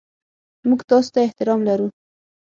موږ تاسو ته احترام لرو.